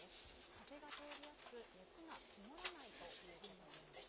風が通りやすく、熱がこもらないということです。